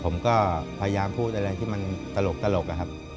ผมก็พยายามพูดอะไรที่มันตลกอะครับ